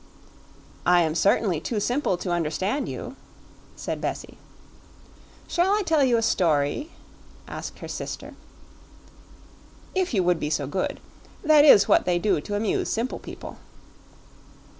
"I am certainly too simple to understand you," said Bessie. "Shall I tell you a story?" asked her sister. "If you would be so good. That is what they do to amuse simple people."